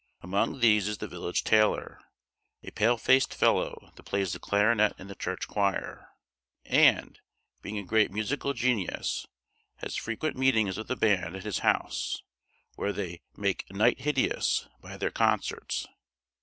Among these is the village tailor, a pale faced fellow, that plays the clarionet in the church choir; and, being a great musical genius, has frequent meetings of the band at his house, where they "make night hideous" by their concerts.